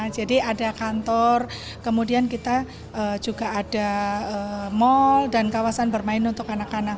jadi ada kantor kemudian kita juga ada mall dan kawasan bermain untuk anak anak